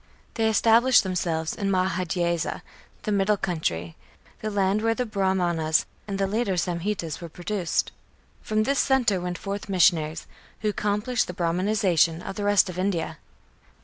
They established themselves in Madhyadesa, "the Middle Country", "the land where the Brahmanas and the later Samhitas were produced". From this centre went forth missionaries, who accomplished the Brahmanization of the rest of India.